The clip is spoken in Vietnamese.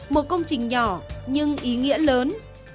một công trình nhỏ nhưng ý nghĩa lớn